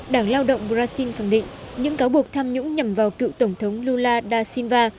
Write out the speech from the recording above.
đảng lao động brazil khẳng định những cáo buộc tham nhũng nhằm vào cựu tổng thống lula da silva